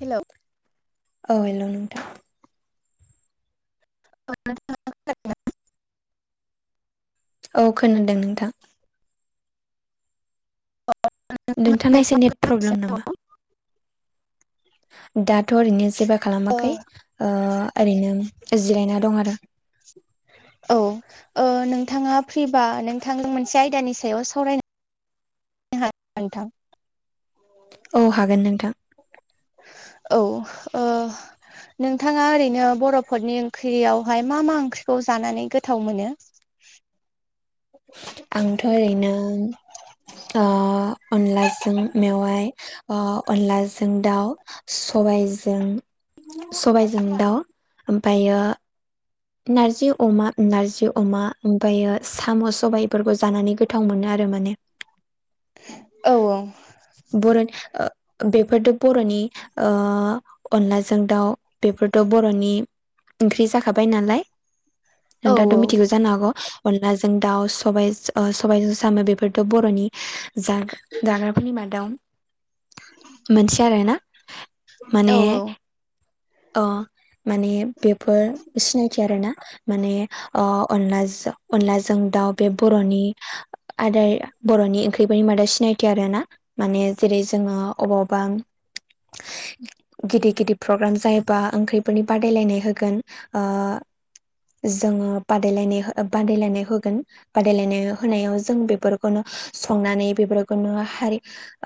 Hello औ hello नोंथां। [inaudible] औ खोनादों नोंथां। नोंथांना एसे नेट प्रब्लेम नामा? [inaudible] दाथ' ओरैनो जेबो ओ खालामाखै ओ ओरैनो जिरायना दं आरो। औ ओ नोंथाङा फ्रिबा नोंथां मोनसे आयदानि सायाव सावराय‌नो [unintelligible] मोनथाम औ हागोन नोंथां। औ ओ नोंथाङा ओरैनो बर'फोरनि ओंख्रियावहाय मा मा ओंख्रिखौ जानानै गोथाव मोनो? आंथ' ओरैनो ओ अनलाजों मेवाय, ओ अनलाजों दाउ, सबायजों सबायजों दाउ ओमफायो नार्जि अमा, नार्जि अमा, ओमफायो साम' सबायफोरखौ जानानै गोथाव मोनो आरो माने। औ औ। बर'नि ओ बेफोरथ' बर'नि ओ अनलाजों दाउ बेफोरथ' बर'नि ओंख्रि जाखा बाय नालाय। औ नोंथाथ' मिथिगौ जानो हागौ? अनलाजों दाउ, सबाय-सबायजों साम' बेफोरथ' बर'नि जा जाग्राफोरनि मादाव मोनसे आरोना। औ माने औ। अ माने बेफोर सिनायथि आरोना। माने ओ अनलाजो अनलाजों दाउ बे बर'नि आदार बर'नि ओंख्रिफोरनि मादाव सिनायथि आरोना। माने जेरै जोङो अबावबा [unintelligible] गिदिर गिदिर प्रग्राम जायोबा ओंख्रिफोरनि बादायलायनाय होगोन। ओ जोङो बादायलायनाय हो ओ बादायलायनाय होगोन बादायलायनाय होनायाव जों बेफोरखौनो संनानै बेफोरखौनो हारि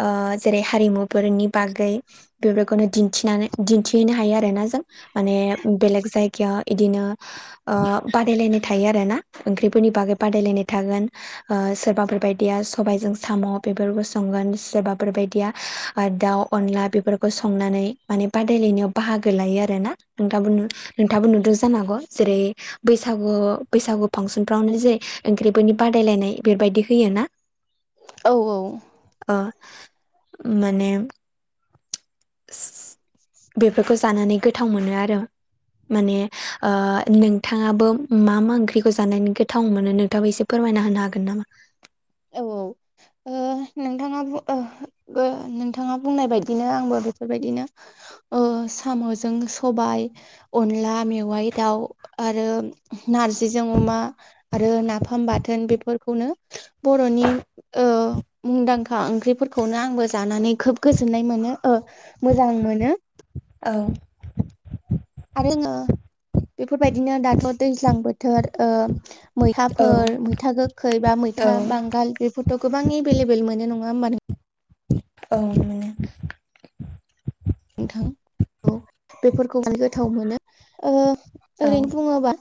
ओ जेरै हारिमुफोरनि बागै बेफोरखौनो दिन्थिनानै हैनो हायो आरोना जों। माने बेलेग जायगायाव इदिनो ओ बादायलायनाय थायो आरोना ओंख्रिफोरनि बागै बादायलायनाय थागोन। ओ सोरबाफोर बायदिया सबायजों साम' बेफोरखौ संगोन सोरबाफोर बायदिया आ दाउ अनला बेफोरखौ संनानै माने बादायलायनायाव बाहागो लायो आरोना। नोंथांङाबो नु नोंथांङाबो नुदो जानो हागौ? जेरै बैसागु बैसागु फांसनफ्रावनो जेरै ओंख्रिफोरनि बादायलायनाय इफोरबायदि होयोना। औ औ। अह माने [unintelligible] बेफोरखौ जानानै गोथाव मोनो आरो। माने ओ नोंथाङाबो मा मा ओंख्रिखौ जानानै गोथाव मोनो नोंथाङाबो एसे फोरमायना होनो हागोन नामा? औ औ। ओ नोंथाङा बु ओ नोंथाङा बुंनाय बायदिनो आंबो बेफोरबायदिनो अ' साम'जों सबाय, अनला मेवाइ दाउ आरो नारजिजों अमा आरो नाफाम बाथोन बेफोरखौनो बर'नि ओ मुंदांखा ओंख्रिफोर खौनो आंबो जानानै खोब गोजोन्नाय मोनो ओ मोजां मोनो। औ। आरो आङो बेफोरबायदिनो दाथ' दैज्लां बोथोर ओ औ मैथाफोर मैथा गोखै बा औ मैथा बांगाल बेफोरथ' गोबां एभेलेबोल मोनो नङा होमबा नों औ [unintelligible] नोंथां औ। बेफोरखौहाय गोथाव मोनो। ओ औ ओरैनो बुङोबा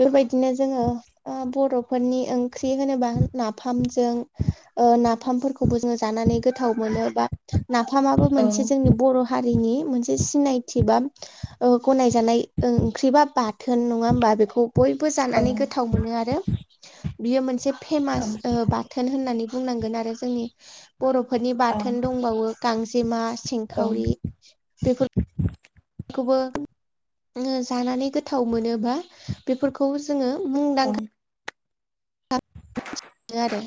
बेबायदिनो जोङो ओ बर'फोरनि ओंख्रि होनोबा नाफामजों ओ नाफामफोरखौबो जोङो जानानै गोथाव मोनो बा नाफामाबो औ मोनसे जोंनि बर' हारिनि मोनसे सिनायथि बा ओ गनायजानाय ओं ओंख्रिबा बाथोन नङा होमबा, बेखौ बयबो औ जानानै गोथाव मोनो आरो बियो मोनसे फेमास ओ बा थोन होननानै बुंनांगोन आरो जोंनि बर'फोरनि औ बाथोन दंबावो। गांजेमा, औ सेंखावरि बेफोर खौबो जोङो जानानै गोथाव मोनो बा बेफोरखौ जोङो औ मुंदांखा नो आरो।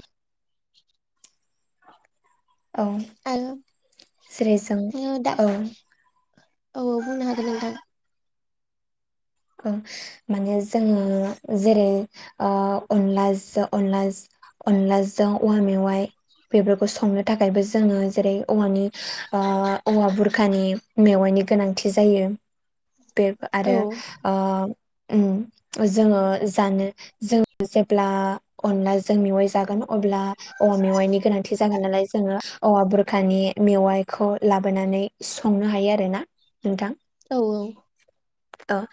औ जेरै जों [unintelligible] दा औ ओ औ बुंनो हानगोन नोंथां। ओ माने जोङो जेरै ओ अनलाजो अनला अनलाजों औवा मेवाइ। बेफोरखौ संनो थाखायबो जोङो जेरै औवानि ओ औवा बुरखानि मेवाइनि गोनांथि जायो। बे औ आरो ओ उम जोङो जानो जों जेब्ला अनला जों मेवाय जागोन। अब्ला औवा मेवाइनि गोनांथि जागोन नालाय जोङो औवा बुरखानि मेवाइखौ लाबोनानै संनो हायो आरोना नोंथां। औ औ। अह।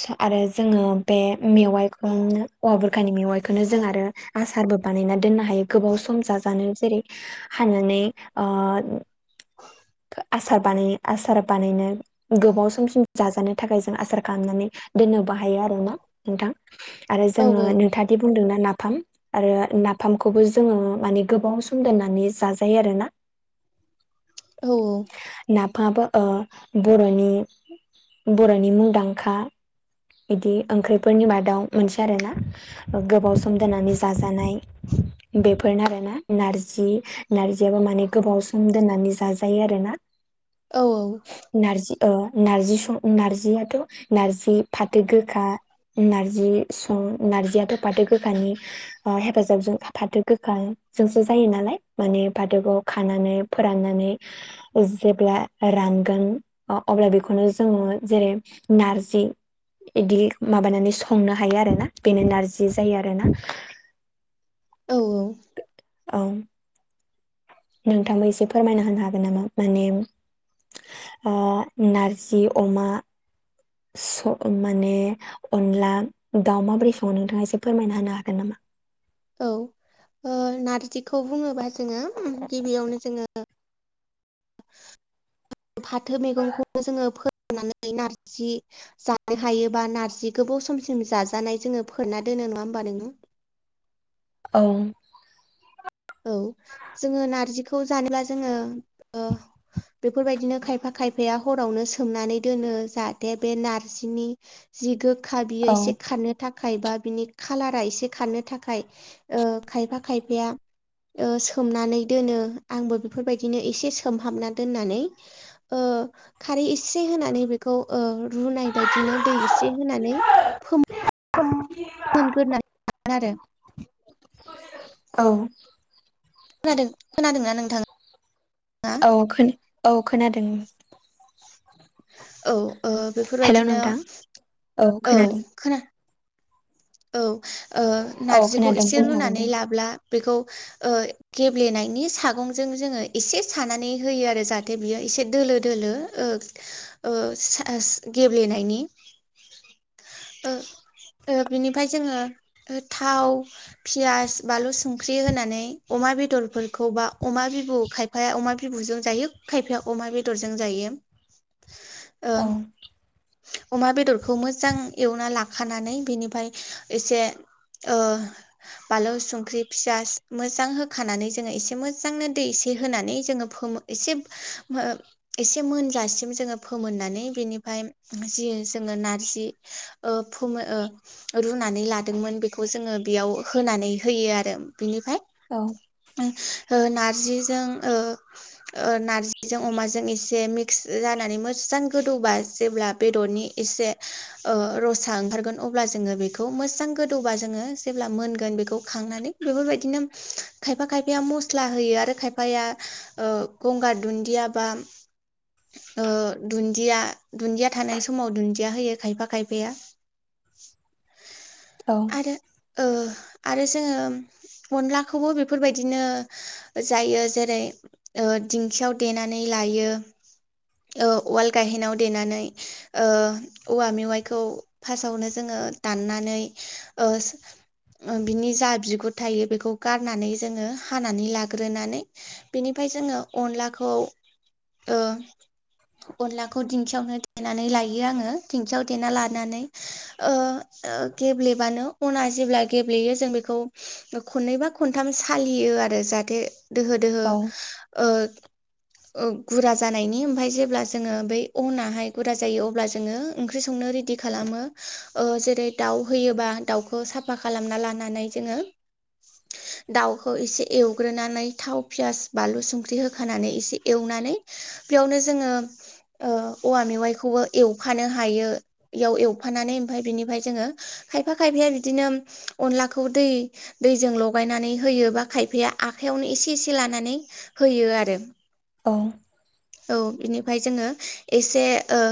स आरो जोङो बे मेवाइखौनो औवा बुरखानि मेवाइखौनो जों आरो आसारबो बानायना दोननो हायो गोबाव सम जाजानो जेरै हानानै ओ [inaudible] आसार बानाय आसार बानायनो गोबाव समसिम जाजानो थाखाय जों आसार खालामना नै दोननोबो हायो आरोना नोंथां आरो औ जोङो नोंथाङादि बुंदोंना नाफाम। आरो नाफामखौबो जोङो माने गोबाव सम दोननानै जाजायो आरोना। औ औ। नाफामाबो बर'नि बर'नि मुंदांखा बिदि ओंख्रिफोरनि मादाव मोनसे आरोना गोबाव सम दोननानै जाजानाय। बेफोरनो आरोना नारजि नारजियाबो माने गोबाव सम दोननानै जाजायो आरो ना। औ औ। नारजि ओ नारजि सं नार्जियाथ' नारजि फाथो गोखा नार्जि सं नार्जियाथ' फाथो गोखानि ओ हेफाजाबजों फाथो गोखाजोंसो जायो नालाय माने फाथोखौ खानानै फोराननानै जेब्ला रानगोन अब्ला बेखौनो जोङो जेरै नारजि इदि माबानानै संनो हायो आरोना बेनो नारजि जायो आरोना। औ औ औ नोंथांबो एसे फोरमायना होनो हागोन नामा माने अ नारजि अमा स माने अनला दाउ माबोरै सङो नोंथाङा एसे फोरमायना होनो हागोन नामा? औ ओ नारजिखौ बुङोबा जोङो गिबियावनो जोङो फाथो मैगंखौबो जोङो फोराननानै नारजि जानो हायोबा नार्जि गोबाव समसिम जाजानाय जोङो फोरना दोनो नङा होमबा नोङो? औ औ जोङो नार्जिखौ जानोबा जोङो ओ बेफोरबायदिनो खायफा खायफाया हरावनो सोमनानै दोनो जाहाथे बे नार्जिनि जि गोखा बियो औ एसे खारनो थाखाय बा बिनि खालारा एसे खारनो थाखाय ओ खायफा खायफाया ओ सोमनानै दोनो आंबो बेफोरबायदिनो एसे सोमहाबना दोननानै ओ खारै एसे होनानै बेखौ ओ रुनाय बायदिनो दै एसे होनानै [unintelligible] मोनगोन [unintelligible] आरो औ खोनादों खोनादों ना नोंथां? औ खोन औ खोनादों। औ ओ हेलौ बेफोरबायदिनो नोंथां। औ खोना औ ओ औ नारजिखौ खोनादों एसे बुंनो हागोन रुनानै दे लाब्ला बेखौ ओ गेब्लेनायनि सागं जों जोङो एसे सानानै होयो आरो जाहाथे बियो एसे दोलो दोलो ओं ओ साओ गेब्लेनायनि ओ। ओ बिनिफ्राय जोङो थाव पियास बानलु संख्रि होनानै अमा बेदरफोरखौ बा अमा बिबु खाय फाय अमा बिबुजों जायो खायफाया अमा बेदरजों जायो। ओ औ अमा बेदरखौ मोजां एवना लाखानानै बिनिफ्राय एसे ओ बालौ संख्रि फियास मोजां होखानानै जोङो एसे मोजांनो दै एसे होनानै जोङो फोमो एसे ओ एसे मोनजासिम जोङो फोमोननानै बिनिफ्राय जि जोङो नार्जि ओ फोमो ओ रुनानै लादोंमोन बेखौ जोङो बेयाव होनानै होयो आरो बिनिफ्राइ औ ओ नार्जिजों ओ ओ नार्जिजों अमाजों एसे मिक्स जानानै मोजां गोदौबा जेब्ला बेदरनि एसे ओ रसा ओंखारगोन अब्ला जोङो बेखौ मोजां गोदौबा जोङो जेब्ला मोनगोन बेखौ खांनानै बेफोरबायदिनो खायफा खायफाया मस्ला होयो आरो खायफाया ओ गंगार दुन्दिया बा ओ दुन्दिया दुन्दिया थानाय समाव दुन्दिया होयो खायफा खायफाया। औ आरो ओ आरो जोङो अनलाखौबो बेफोरबायदिनो जायो जेरै ओ दिंखियाव देनानै लायो ओ उवाल गायहेनाव देनानै। ओ औवा मेवाइखौ फार्स्टआवनो जोङो दाननानै ओ ओ बिनि जा बिगुर थायो बेखौ गारनानै जोङो हानानै लाग्रोनानै बेनिफ्राय जोङो अनलाखौ ओ अनलाखौ दिंखियावनो देनानै लायो आङो दिंखियाव देना लानानै ओ-ओ गेब्लेबानो अना जेब्ला गेब्लेयो जों बेखौ खननैबा खनथाम सालियो आरो जाहाथे दोहो दोहो ओ-ओ गुरा जानायनि ओमफाय जेब्ला जोङो बै अनाहाय गुरा जायो अब्ला जोङो ओंख्रि संनो रेदि खालामो जेरै दाउ होयोबा दाउखौ खौ साफा खालामना लानानै जोङो दाउखौ एसे एवग्रोनानै थाव पियास बानलु संख्रि होखानानै एसे एवनानै बेयावनो जोङो ओ औवा मेवाइखौबो एवफानो हायो एव- एवफानानै ओमफ्राय बेनिफ्राय जोङो खायफा खायफाया बिदिनो अनलाखौ दै दैजों लगायनानै होयो बा खायफाया आखयावनो एसे एसे लानानै होयो आरो औ औ बिनिफ्राय जोङो एसे ओ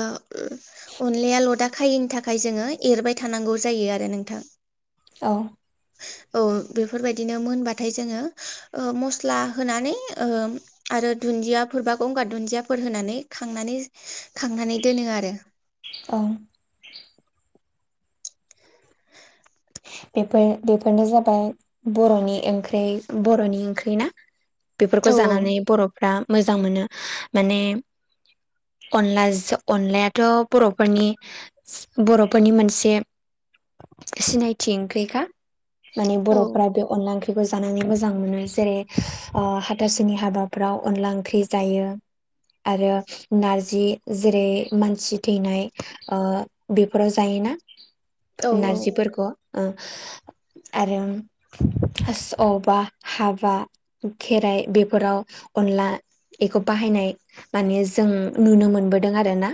अनलाया लदा खायैनि थाखाय जोङो एरबाय थानांगौ जायो आरो नोंथां औ [unintelligible] औ बेफोरबायदिनो मोनबाथाय जोङो ओ मस्ला होनानै ओ आरो दुन्दियाफोर बा गंगार दुन्दियाफोर होनानै खांनानै खांनानै दोनो आरो औ बेफोर बेफोरनो जाबाय बर'नि ओंख्रि बर'नि ओंख्रि ना बेफोरखौ औ जानानै बर'फ्रा मोजां मोनो माने अनला-अनलायाथ' बर'फोरनि बर'फोरनि मोनसे सिनाय- थि ओंख्रिखा माने औ बर'फोरा बे अनला ओंख्रि बेखौ जानानै मोजां मोनो जेरै ओ हाथासुनि हाबाफ्राव अनला ओंख्रि जायो आरो नार्जि जेरै मानसि थैनाय ओ बेफोराव जायोना औ नार्जिफोरखौ ओ आरो अबा हाबा खेराइ बेफोराव अनला बेखौ बाहायनाय माने जों नुनो मोनबोदों आरोना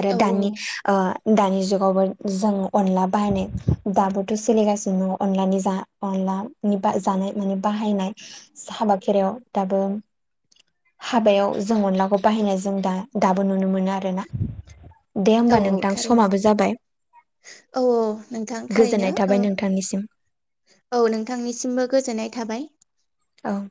आरो औ दानि ओ दानि जुगावबो जों अनला बाहायनाय दाबोथ' सोलिगासिनो दङ अनलानि जा अनलानि बा जानाय माने बाहायनाय हाबा खेरायाव दाबो हाबायाव जों अनलाखौ बाहायनाय जों दा दाबो नुनो मोनो आरो ना दे औ होमबा औ नोंथां थारैनो समाबो जाबाय औ नोंथां थारैनो गोजोननाय थाबाय नोंथांनिसिम औ नोंथांनिसिमबो गोजोननाय थाबाय औ